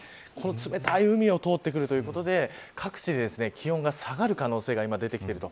冷たい海を通ってくるということで各地で気温が下がる可能性が今出てきていると。